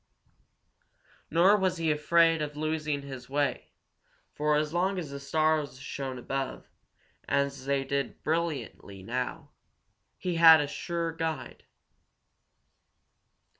Nor was he afraid of losing his way, for as long as the stars shone above, as they did brilliantly now, he had a sure guide.